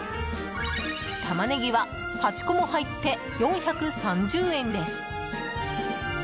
タマネギは８個も入って４３０円です。